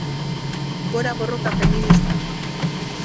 Gora borroka feminista!!!